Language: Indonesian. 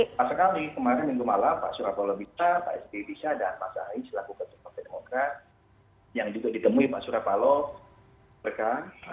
pasang kami kemarin minggu malam pak suryapalo bisa pak sby bisa dan pak zahid selaku ketua demokrat yang juga ditemui pak suryapalo mereka